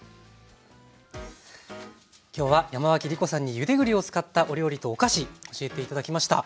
今日は山脇りこさんにゆで栗を使ったお料理とお菓子教えて頂きました。